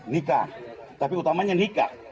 nikah tapi utamanya nikah